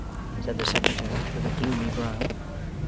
said the Secretary, with a gloomy brow.